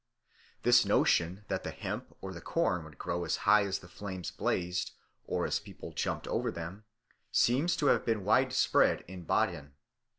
This notion that the hemp or the corn would grow as high as the flames blazed or as the people jumped over them, seems to have been widespread in Baden.